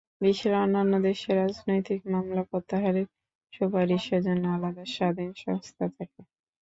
বিশ্বের অন্যান্য দেশে রাজনৈতিক মামলা প্রত্যাহারের সুপারিশের জন্য আলাদা স্বাধীন সংস্থা থাকে।